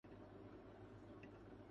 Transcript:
انہوں نے اس بات پر ناگواری ظاہر کی